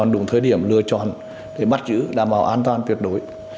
đúng thời điểm lựa chọn để bắt giữ đảm bảo an toàn tuyệt đối